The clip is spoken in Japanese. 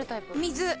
水。